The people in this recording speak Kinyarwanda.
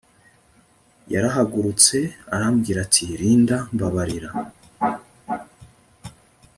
yarahagurutse arambwira ati Linda mbabarira